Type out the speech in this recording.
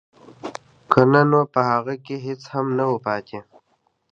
که نه نو په هغه کې هېڅ هم نه وو پاتې